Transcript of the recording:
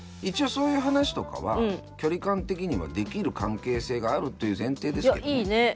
一応そういう話とかは距離感的にはできる関係性があるという前提ですけどね。